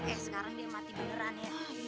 eh sekarang dia mati beneran ya